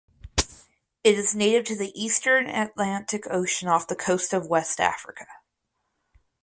It is native to the eastern Atlantic Ocean off the coast of West Africa.